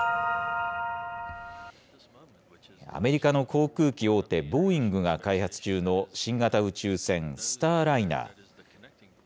アメリカの航空機大手、ボーイングが開発中の新型宇宙船、スターライナー。